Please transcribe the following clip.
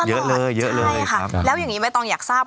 ใช่ค่ะแล้วอย่างนี้ไม่ต้องอยากทราบ